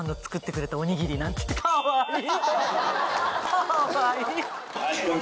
かわいい。